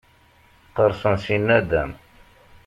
Qqerṣen si naddam.